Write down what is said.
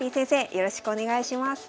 よろしくお願いします。